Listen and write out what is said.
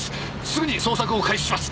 すぐに捜索を開始します。